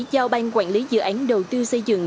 giao bang quản lý dự án đầu tư xây dựng